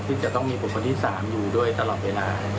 ที่จะต้องมีบุคคลที่๓อยู่ด้วยตลอดเวลา